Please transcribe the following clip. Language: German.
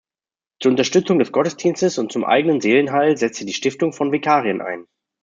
Zur Unterstützung des Gottesdienstes und zum eigenen Seelenheil setzte die Stiftung von Vikarien ein.